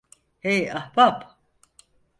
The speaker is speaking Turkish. Hey, ahbap!